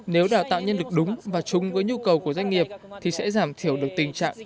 nếu đào tạo nhân lực đúng và chung với nhu cầu của doanh nghiệp thì sẽ giảm thiểu được tình trạng